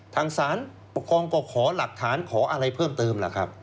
ทางศาลปกครองก็ขอหลักฐานขออะไรเพิ่มเติมล่ะครับ